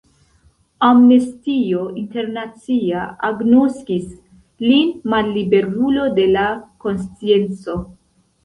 Amnestio Internacia agnoskis lin malliberulo de la konscienco.